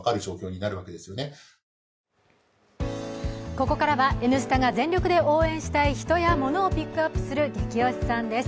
ここからは「Ｎスタ」が全力で応援したい人やモノをピックアップするゲキ推しさんです。